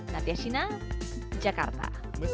nadia shina jakarta